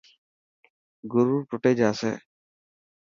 گرور ٽٽي جاسي.